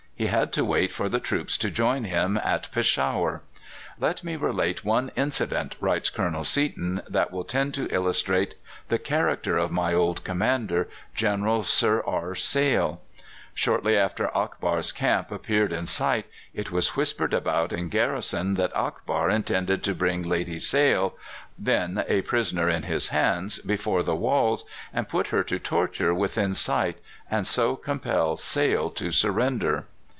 He had to wait for the troops to join him at Peshawar. "Let me relate one incident," writes Colonel Seaton, "that will tend to illustrate the character of my old commander, General Sir R. Sale. "Shortly after Akbar's camp appeared in sight it was whispered about in garrison that Akbar intended to bring Lady Sale, then a prisoner in his hands, before the walls, and put her to torture within sight, and so compel Sale to surrender.